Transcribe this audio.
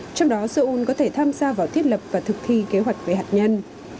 trong đó seoul có thể tham gia vào thiết lập và thực thi kế hoạch về hạt nhân